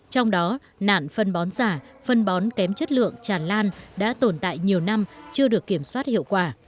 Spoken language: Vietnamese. trong đó nạn phân bón giả phân bón kém chất lượng tràn lan đã tồn tại nhiều năm chưa được kiểm soát hiệu quả